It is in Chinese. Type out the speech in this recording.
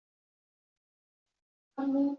坐在休息室里面休息